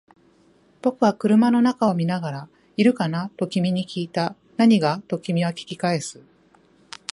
僕は車の中を見ながら、いるかな？と君に訊いた。何が？と君は訊き返す。